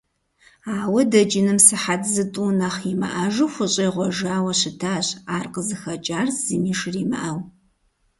Ауэ дэкӀыным сыхьэт зытӀу нэхъ имыӀэжу хущӀегъуэжауэ щытащ, ар къызыхэкӀар зыми жримыӀэу.